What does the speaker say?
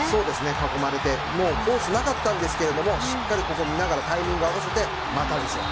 囲まれてコースがなかったんですがしっかり見ながらタイミングを合わせて股ですよ。